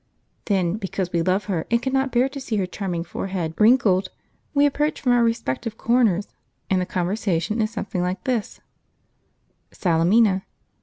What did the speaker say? Then because we love her and cannot bear to see her charming forehead wrinkled, we approach from our respective corners, and the conversation is something like this: Salemina.